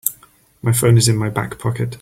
My phone is in my back pocket.